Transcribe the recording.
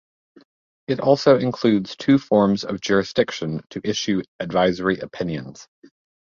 It also includes two forms of jurisdiction to issue advisory opinions.